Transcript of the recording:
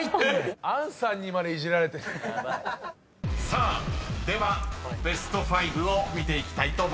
［さあではベスト５を見ていきたいと思います］